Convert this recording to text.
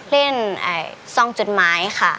เล่นซองจุดหมายค่ะ